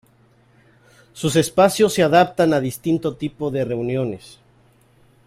Sus espacios se adaptan a distinto tipo de reuniones.